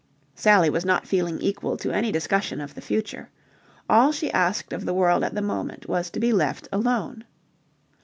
Sally was not feeling equal to any discussion of the future. All she asked of the world at the moment was to be left alone.